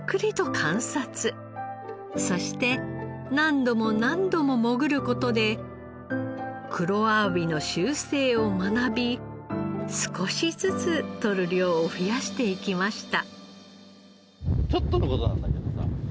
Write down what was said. そして何度も何度も潜る事で黒あわびの習性を学び少しずつ獲る量を増やしていきました。